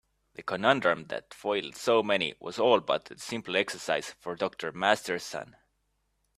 The conundrum that foiled so many was all but a simple exercise for Dr. Masterson.